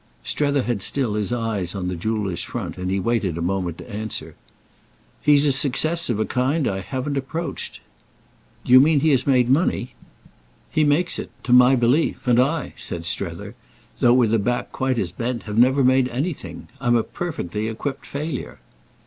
Strether had still his eyes on the jeweller's front, and he waited a moment to answer. "He's a success of a kind that I haven't approached." "Do you mean he has made money?" "He makes it—to my belief. And I," said Strether, "though with a back quite as bent, have never made anything. I'm a perfectly equipped failure."